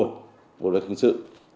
của luật hình sự